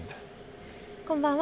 こんばんは。